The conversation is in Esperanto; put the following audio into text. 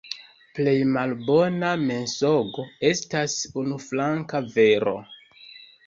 Plej malbona mensogo estas unuflanka vero.